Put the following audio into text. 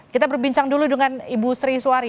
kita berbincang dulu dengan ibu sri suari